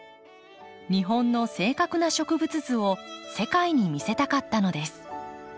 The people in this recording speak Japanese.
日本の正確な植物図を世界に見せたかったのです。